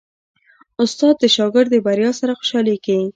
استاد د شاګرد د بریا سره خوشحالېږي.